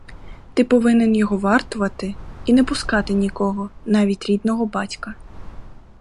Ти повинен його вартувати і не пускати нікого, навіть рідного батька.